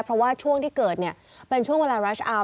เพราะว่าช่วงที่เกิดเนี่ยเป็นช่วงเวลารัชอาร์